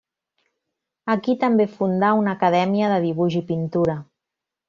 Aquí també fundà una Acadèmia de dibuix i pintura.